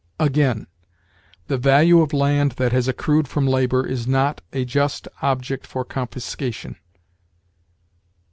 Again: "The value of land that has accrued from labor is not ... a just object for confiscation."